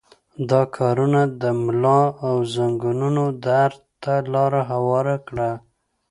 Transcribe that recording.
دا کارونه د ملا او زنګنونو درد ته لاره هواره کړه.